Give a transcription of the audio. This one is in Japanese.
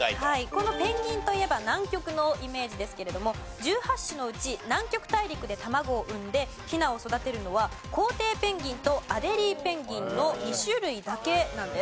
このペンギンといえば南極のイメージですけれども１８種のうち南極大陸で卵を産んでヒナを育てるのはコウテイペンギンとアデリーペンギンの２種類だけなんです。